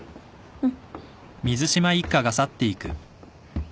うん。